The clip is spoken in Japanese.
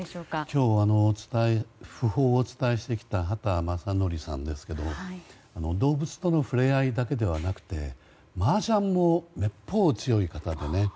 今日訃報をお伝えしてきた畑正憲さんですが動物とのふれあいだけではなくて麻雀もめっぽう強い方でね。